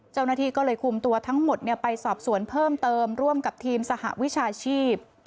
เจ้าหน้าที่ก็เลยคุมตัวทั้งหมดไปสอบสวนเพิ่มเติมร่วมกับทีมสหวิชาชีพ